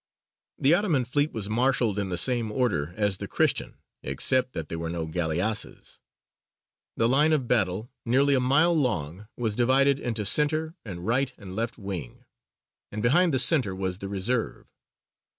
The Ottoman fleet was marshalled in the same order as the Christian, except that there were no galleasses. The line of battle, nearly a mile long, was divided into centre, and right and left wing, and behind the centre was the reserve.